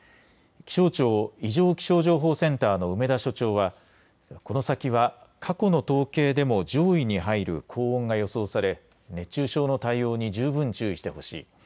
気象庁異常気象情報センターの楳田所長はこの先は過去の統計でも上位に入る高温が予想され熱中症の対応に十分注意してほしい。